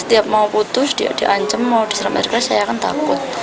setiap mau putus diancam mau diseram air keras saya akan takut